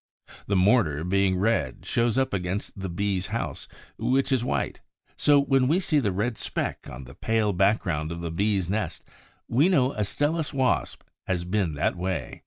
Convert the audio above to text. The mortar, being red, shows up against the Bee's house, which is white; so when we see the red speck on the pale background of the Bee's nest we know a Stelis wasp has been that way.